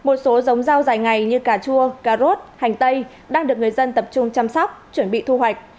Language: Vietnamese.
một số giống rau dài ngày như cà chua cà rốt hành tây đang được người dân tập trung chăm sóc chuẩn bị thu hoạch